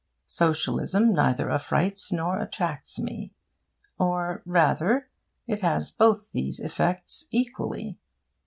Socialism neither affrights nor attracts me or, rather, it has both these effects equally.